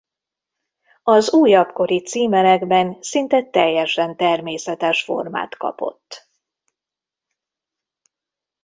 Az újabb kori címerekben szinte teljesen természetes formát kapott.